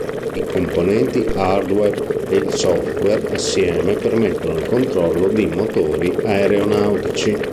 I componenti hardware e il software assieme permettono il controllo di motori aeronautici.